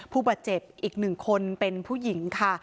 ผู้บาดเจ็บอีก๑คนเป็นผู้หญิงค่ะ